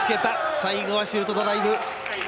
最後はシュートドライブ。